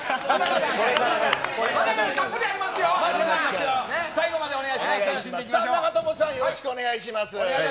さあ、長友さん、よろしくお願いします。